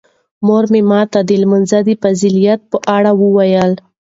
مور مې ماته د لمانځه د فضیلت په اړه وویل.